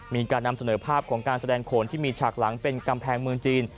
มีการนำเสนอภาพของการแสดงโขนที่มีฉากหลังเป็นกำแพงเมืองจีน